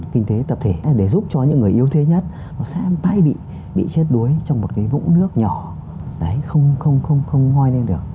kinh tế tập thể để giúp cho những người yếu thế nhất nó sẽ bay bị chết đuối trong một cái vũng nước nhỏ không ngoi lên được